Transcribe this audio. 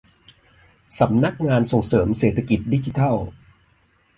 สำนักงานส่งเสริมเศรษฐกิจดิจิทัล